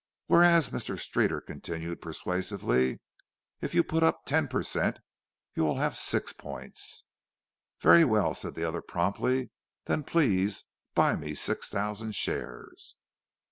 "Whereas," Mr. Streeter continued, persuasively, "if you put up ten per cent., you will have six points." "Very well," said the other promptly. "Then please buy me six thousand shares."